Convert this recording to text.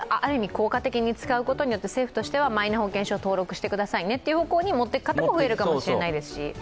効果的に使うことによって政府としてはマイナ保険証を登録してくださいねという方向に持っていく方も増えるかもしれないですし。